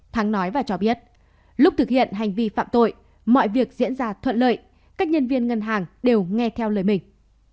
thắng nói và cho biết lúc thực hiện hành vi phạm tội mọi việc diễn ra thuận lợi các nhân viên ngân hàng đều nghe theo lời mình